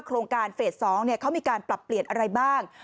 โครงการเฟส๒เขามีการปรับเปลี่ยนอะไรบ้าง